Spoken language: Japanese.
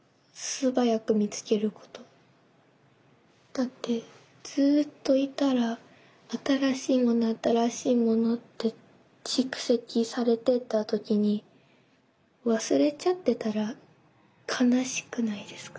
だってずっといたら新しいもの新しいものって蓄積されていった時に忘れちゃってたら悲しくないですか。